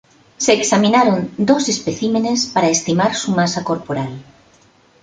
Se examinaron dos especímenes para estimar su masa corporal.